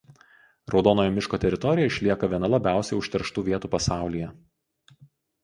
Raudonojo miško teritorija išlieka viena labiausiai užterštų vietų pasaulyje.